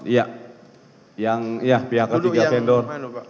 iya yang pihak ketiga vendor